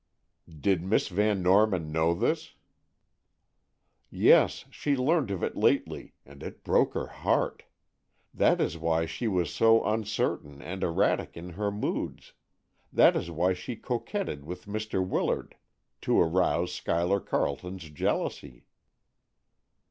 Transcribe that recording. "Did Miss Van Norman know this?" "Yes, she learned of it lately, and it broke her heart. That is why she was so uncertain and erratic in her moods; that is why she coquetted with Mr. Willard, to arouse Schuyler Carleton's jealousy."